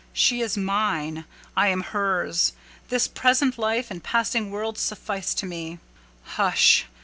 She is mine—I am hers—this present life and passing world suffice to me. Hush!